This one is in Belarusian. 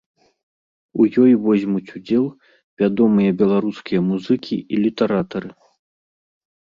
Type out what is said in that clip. У ёй возьмуць удзел вядомыя беларускія музыкі і літаратары.